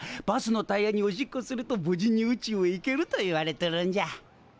バスのタイヤにおしっこすると無事に宇宙へ行けるといわれとるんじゃ。